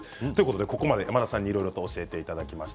ここまで山田さんに教えていただきました。